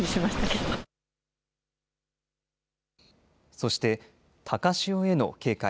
そして高潮への警戒。